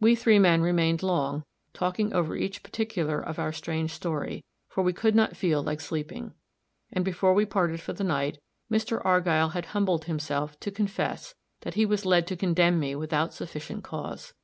We three men remained long, talking over each particular of our strange story, for we could not feel like sleeping. And before we parted for the night, Mr. Argyll had humbled himself to confess that he was led to condemn me without sufficient cause.